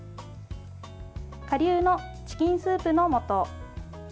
かりゅうのチキンスープのもと。